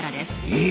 え！